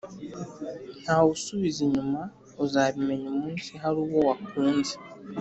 ntawubusubiza inyuma uzabimenya umunsi haruwo wakunze"